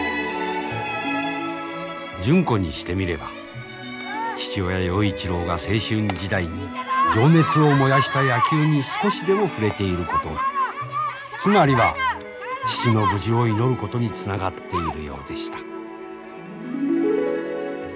純子にしてみれば父親陽一郎が青春時代に情熱を燃やした野球に少しでも触れていることがつまりは父の無事を祈ることにつながっているようでした。